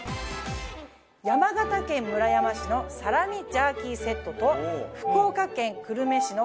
山形県村山市のサラミ・ジャーキーセットと福岡県久留米市のあまおう。